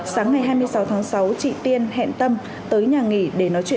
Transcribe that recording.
sáng ngày hai mươi sáu tháng sáu chị tiên hẹn tâm tới nhà nghỉ để nói chuyện